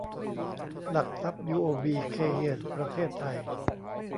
หลักทรัพย์ ยูโอบี เคย์เฮียน ประเทศไทย